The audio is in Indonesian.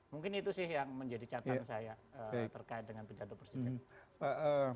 mungkin itu sih yang menjadi catatan saya terkait dengan pidato presiden